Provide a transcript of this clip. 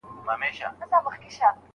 ملنګه ! د لونګو څانګې لارې د چا څاري؟